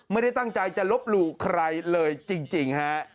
ไม่ได้ตั้งใจจะลบหลู่ใครเลยจริงฮะ